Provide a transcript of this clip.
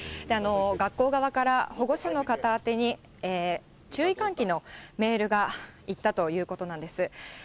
学校側から、保護者の方宛てに、注意喚起のメールがいったということなんです。